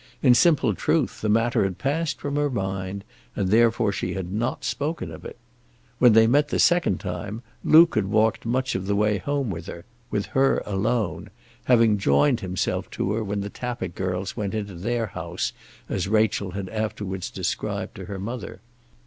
In simple truth the matter had passed from her mind, and therefore she had not spoken of it. When they met the second time, Luke had walked much of the way home with her, with her alone, having joined himself to her when the Tappitt girls went into their house as Rachel had afterwards described to her mother.